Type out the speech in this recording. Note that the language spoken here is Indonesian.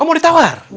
oh mau ditawar